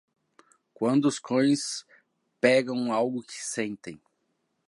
Quando os cães pegam algo que sentem.